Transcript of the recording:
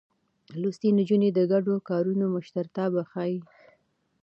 لوستې نجونې د ګډو کارونو مشرتابه ښيي.